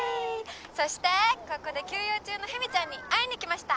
「そしてここで休養中のヘミちゃんに会いに来ました」